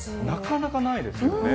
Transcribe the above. なかなかないですよね。